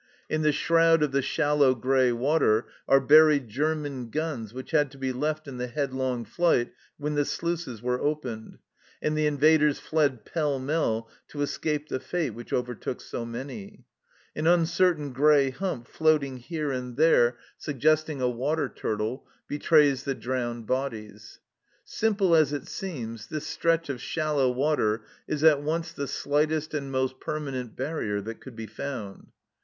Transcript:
In the shroud of the shallow grey water are buried German guns which had to be left in the headlong flight when the sluices were opened, and the invaders fled pell mell, to escape the fate which overtook so many. An uncertain grey hump floating here and there 126 THE CELLAR HOUSE OF PERVYSE suggesting a water turtle, betrays the drowned bodies. Simple as it seems, this stretch of shallow water is at once the slightest and most permanent barrier that could be found.